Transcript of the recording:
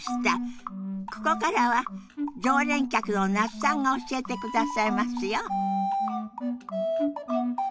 ここからは常連客の那須さんが教えてくださいますよ。